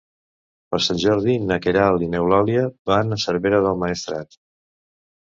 Per Sant Jordi na Queralt i n'Eulàlia van a Cervera del Maestrat.